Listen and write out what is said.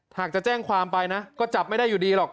หากจะแจ้งความไปนะก็จับไม่ได้อยู่ดีหรอก